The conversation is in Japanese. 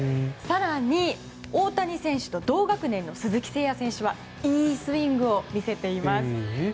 更に、大谷選手と同学年の鈴木誠也選手はいいスイングを見せています。